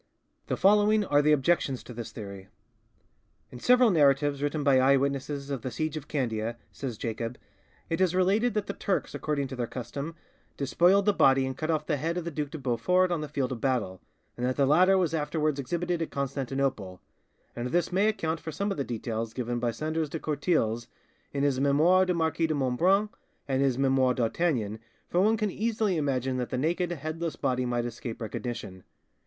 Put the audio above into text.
The following are the objections to this theory: "In several narratives written by eye witnesses of the siege of Candia," says Jacob, "it is related that the Turks, according to their custom, despoiled the body and cut off the head of the Duc de Beaufort on the field of battle, and that the latter was afterwards exhibited at Constantinople; and this may account for some of the details given by Sandras de Courtilz in his 'Memoires du Marquis de Montbrun' and his 'Memoires d'Artagnan', for one can easily imagine that the naked, headless body might escape recognition.